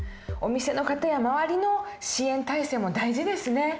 お店の方や周りの支援体制も大事ですね。